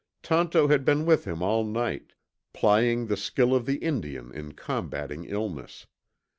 Tonto had been with him all night, plying the skill of the Indian in combating illness.